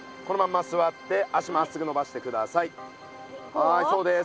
はいそうです。